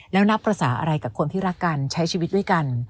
แล้วนับภาษาอะไรกับคนที่รักกันใช้ชีวิตด้วยกัน